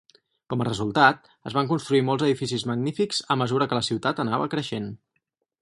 Com a resultat, es van construir molts edificis magnífics a mesura que la ciutat anava creixent.